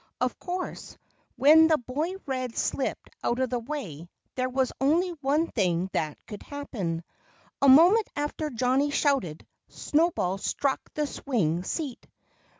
Of course when the boy Red slipped out of the way there was only one thing that could happen. A moment after Johnnie shouted, Snowball struck the swing seat.